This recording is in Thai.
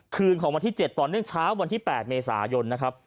คืนของวันที่๗ต่อเนื่องเช้าวันที่๘เมษายนนะครับ